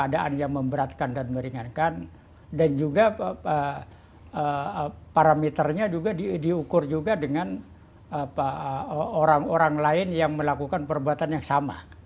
keadaan yang memberatkan dan meringankan dan juga parameternya juga diukur juga dengan orang orang lain yang melakukan perbuatan yang sama